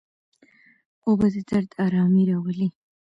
اوبه د درد آرامي راولي.